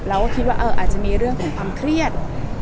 แล้วคิดว่ามีเรื่องของความเครียด